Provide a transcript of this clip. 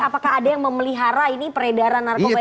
apakah ada yang memelihara ini peredaran narkoba ini